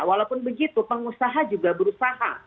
walaupun begitu pengusaha juga berusaha